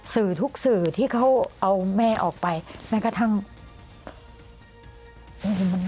สื่อทุกสื่อที่เขาเอาแม่ออกไปแม้กระทั่ง